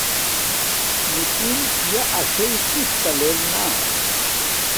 نِکِن یݳ اݵسیئ کِستݳ لݵل نݳ.